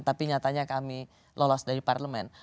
tapi nyatanya kami lolos dari parlemen